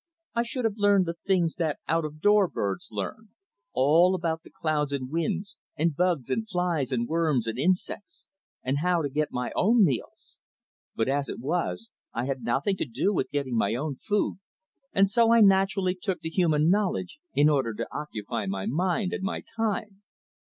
I should have learned the things that out door birds learn, all about the clouds and winds, and bugs and flies and worms and insects, and how to get my own meals. But as it was, I had nothing to do with getting my own food, and so I naturally took to human knowledge in order to occupy my mind and my time.